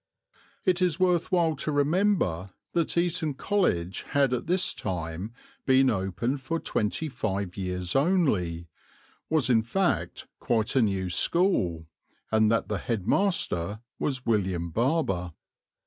It is worth while to remember that Eton College had at this time been open for twenty five years only, was in fact quite a new school, and that the headmaster was William Barber.